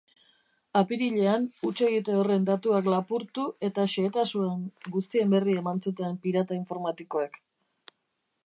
Apirilean hutsegite horren datuak lapurtu eta xehetasun guztien berri eman zuten pirata informatikoek.